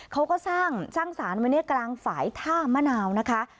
เขาก็สร้างสารไว้ในกลางฝ่ายท่ามะนาวนะคะ